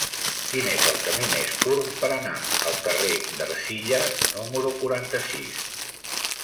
Quin és el camí més curt per anar al carrer d'Ercilla número quaranta-sis?